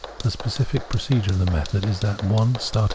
The specific procedure of the method is that of (1 ) starting * V.